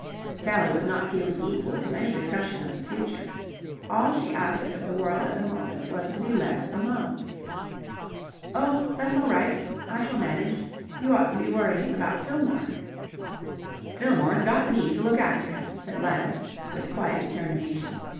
Sally was not feeling equal to any discussion of the future. All she asked of the world at the moment was to be left alone. "Oh, that's all right. I shall manage. You ought to be worrying about Fillmore." "Fillmore's got me to look after him," said Gladys, with quiet determination.